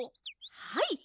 はい！